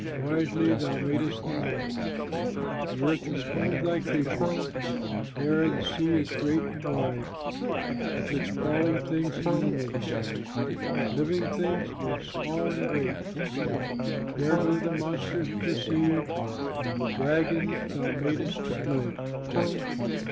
Wisely thou madest them all; The earth is full of thy creatures. There is the sea, great and wide, With its crawling things innumerable, Living things both small and great; There go the monsters of the sea, And the dragon thou madest to play.